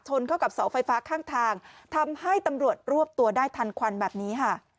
เข้ากับเสาไฟฟ้าข้างทางทำให้ตำรวจรวบตัวได้ทันควันแบบนี้ค่ะ